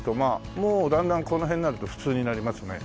もうだんだんこの辺になると普通になりますね。